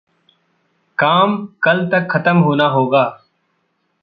काम कल तक खतम होना होगा।